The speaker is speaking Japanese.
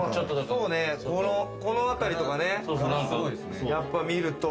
この辺りとかね、見ると。